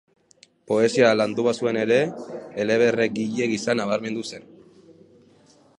Poesia landu bazuen ere, eleberrigile gisa nabarmendu zen.